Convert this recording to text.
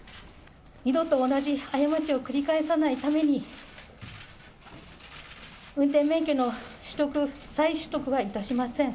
二度と同じ過ちを繰り返さないために、運転免許の再取得はいたしません。